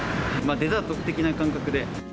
デザート的な感覚で。